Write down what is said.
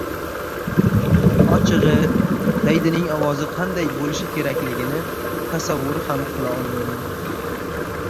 Ochig‘i, daydining ovozi qanday bo‘lishi kerakligini tasavvur ham qilolmayman.